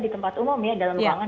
di tempat umum ya dalam ruangan